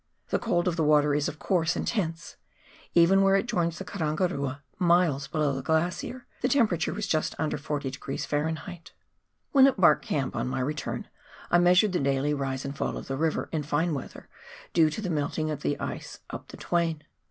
The cold of the water is, of course, intense ; even where it joins the Karangarua, miles below the glacier, the temperature was just under 40° Fahr. When at Bark Camp, on my return, I measured the daily rise and fall of the river — in fine weather — due to the melting of the ice up the Twain.